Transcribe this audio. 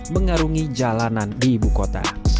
mengarungi jalanan di ibu kota